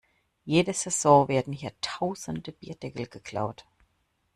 Jede Saison werden hier tausende Bierdeckel geklaut.